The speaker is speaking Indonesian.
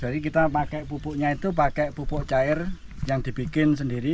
jadi kita pakai pupuknya itu pakai pupuk cair yang dibikin sendiri